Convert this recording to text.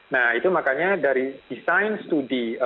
nah itu makanya dari design study